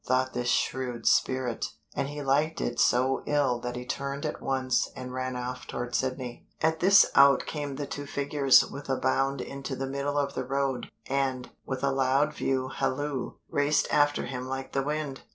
thought this shrewd spirit, and he liked it so ill that he turned at once and ran off toward Sydney. At this out came the two figures with a bound into the middle of the road, and, with a loud view halloo, raced after him like the wind.